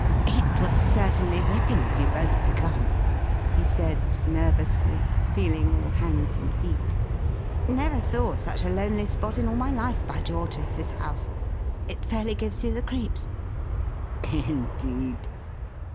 "It was certainly ripping of you both to come," he said nervously, feeling all hands and feet. "Never saw such a lonely spot in all my life, by George, as this house! It fairly gives you the creeps!" "Indeed?"